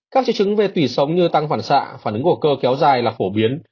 các triệu chứng về tủy sống như tăng phản xạ phản ứng của cơ kéo dài là phổ biến